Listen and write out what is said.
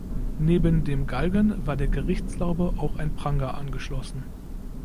Neben dem Galgen war der Gerichtslaube auch ein Pranger angeschlossen.